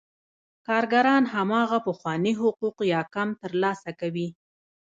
کارګران هماغه پخواني حقوق یا کم ترلاسه کوي